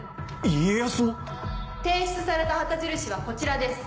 家康も⁉提出された旗印はこちらです。